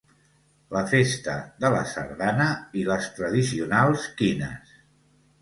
La Festa de la Sardana, i les Tradicionals Quines.